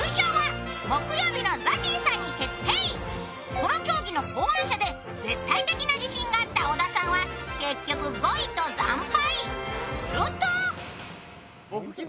この競技の考案者で、絶対的な自信があった小田さんは結局、５位と惨敗。